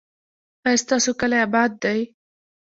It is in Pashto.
ایا ستاسو کلی اباد دی؟